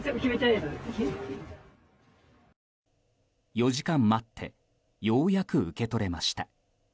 ４時間待ってようやく受け取れました。